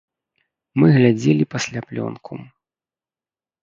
Мы глядзелі пасля плёнку.